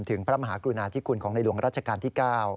พระมหากรุณาธิคุณของในหลวงรัชกาลที่๙